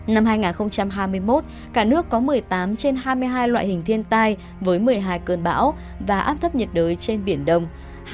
năm hai nghìn hai mươi một cả nước có một mươi tám trên hai mươi hai loại hình thiên tai với một mươi hai cơn bão và áp thấp nhiệt đới trên biển đông